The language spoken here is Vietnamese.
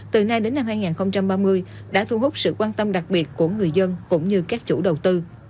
từ nay đến năm hai nghìn ba mươi đã thu hút sự quan tâm đặc biệt của người dân cũng như các chủ đầu tư